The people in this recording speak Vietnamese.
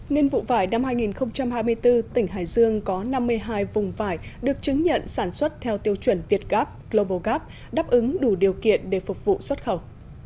nên vụ vải năm hai nghìn hai mươi bốn tỉnh hải dương có năm mươi hai vùng vải được chứng nhận sản xuất theo tiêu chuẩn việt gap global gap đáp ứng đủ điều kiện để phục vụ xuất khẩu